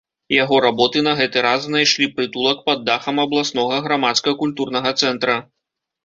Яго работы на гэты раз знайшлі прытулак пад дахам абласнога грамадска-культурнага цэнтра.